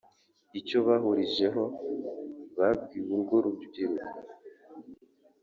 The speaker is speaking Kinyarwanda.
Icyo bahurijeho babwiye urwo rubyiruko